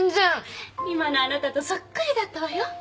今のあなたとそっくりだったわよ。